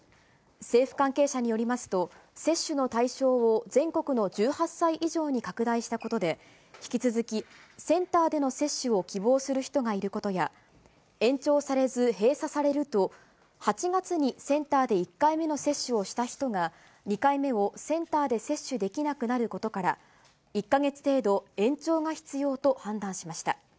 政府関係者によりますと、接種の対象を全国の１８歳以上に拡大したことで、引き続きセンターでの接種を希望する人がいることや、延長されず閉鎖されると、８月にセンターで１回目の接種をした人が、２回目をセンターで接種できなくなることから、１か月程度、延長が必要と判断しました。